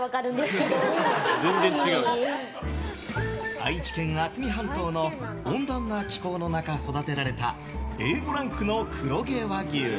愛知県渥美半島の温暖な気候の中育てられたＡ５ランクの黒毛和牛